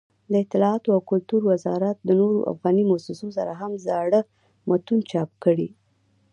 دطلاعاتو او کلتور وزارت د نورو افغاني مؤسسو سره هم زاړه متون چاپ کړي.